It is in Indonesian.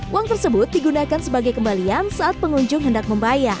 uang tersebut digunakan sebagai kembalian saat pengunjung hendak membayar